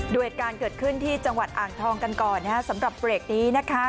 เหตุการณ์เกิดขึ้นที่จังหวัดอ่างทองกันก่อนสำหรับเบรกนี้นะคะ